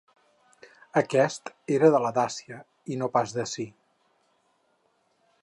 Aquest era de la Dàcia, i no pas d'ací.